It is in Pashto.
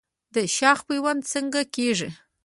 د شاخ پیوند څنګه کیږي؟